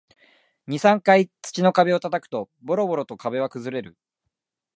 二、三回土の壁を叩くと、ボロボロと壁は崩れる